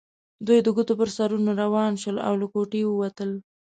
دوی د ګوتو پر سرونو روان شول او له کوټې ووتل.